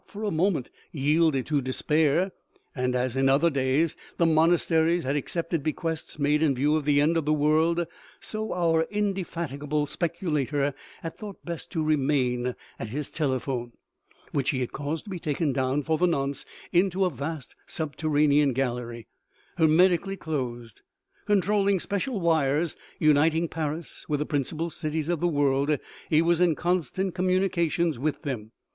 for a moment yielded to despair, and, as in other days, the monasteries had accepted bequests made in view of the end of the world, so our indefatigable speculator had thought best to remain at his telephone, which he had caused to be taken down for the nonce into a vast subterranean gallery, hermetically closed. Con trolling special wires uniting Paris with the principal cities of the world, he was in constant communication with them.